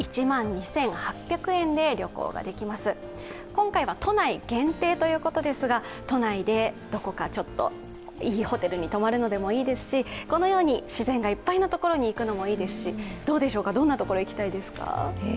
今回は都内限定ということですが、都内でどこかちょっといいホテルに泊まるのでもいいですしこのように自然がいっぱいの所に行くのもいいですし、どうでしょうか、どんなところに行きたいですか？